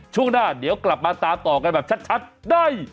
ช่วงหน้าเดี๋ยวกลับมาตามต่อกันแบบชัดได้